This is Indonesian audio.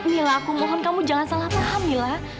mi aku mohon kamu jangan salah paham mi